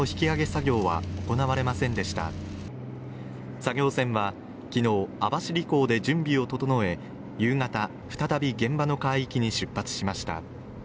作業船は昨日、網走港で準備を整え夕方、再び現場の海域に出発しました。